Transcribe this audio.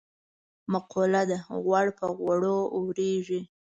مقوله ده: غوړ په غوړو اورېږي.